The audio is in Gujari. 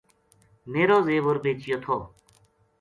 میرو زیور بیچیو تھو